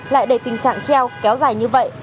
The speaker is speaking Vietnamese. lại để tình trạng treo kéo dài như vậy